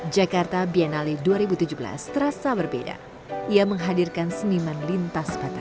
jakarta biennale dua ribu tujuh belas terasa berbeda ia menghadirkan seniman lintas batas